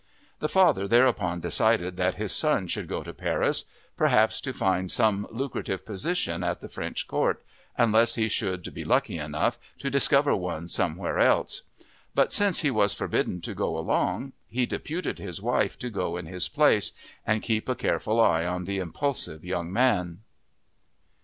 The father thereupon decided that his son should go to Paris, perhaps to find some lucrative position at the French court, unless he should be lucky enough to discover one somewhere else. But since he was forbidden to go along he deputed his wife to go in his place and keep a careful eye on the impulsive young man.